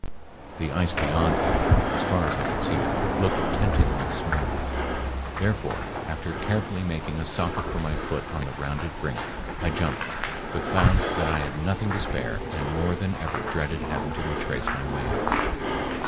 The ice beyond, however, as far as I could see it, looked temptingly smooth. Therefore, after carefully making a socket for my foot on the rounded brink, I jumped, but found that I had nothing to spare and more than ever dreaded having to retrace my way.